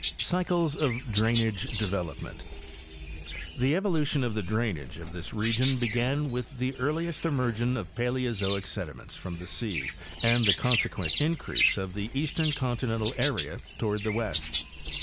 CYCLES OF DRAINAGE DEVELOPMENT. The evolution of the drainage of this region began with the earliest emergence of Paleozoic sediments from the sea and the consequent increase of the eastern continental area toward the west.